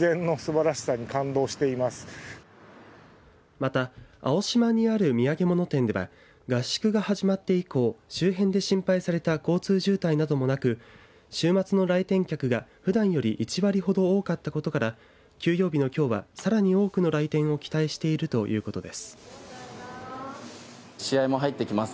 また青島にある土産物店では合宿が始まって以降周辺で心配された交通渋滞などもなく週末の来店客がふだんより１割ほど多かったことから休養日のきょうはさらに多くの来店を期待しているということです。